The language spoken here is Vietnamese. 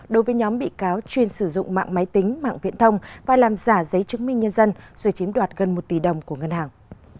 đối với nhóm bị cáo chuyên sử dụng mạng máy tính mạng viễn thông và làm giả giấy chứng minh nhân dân rồi chiếm đoạt gần một tỷ đồng của ngân hàng